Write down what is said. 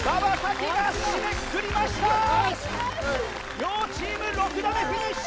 両チーム６打でフィニッシュ！